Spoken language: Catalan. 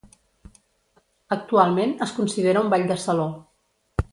Actualment es considera un ball de saló.